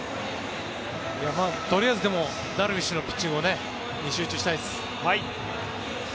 とりあえずダルビッシュのピッチングに集中したいです。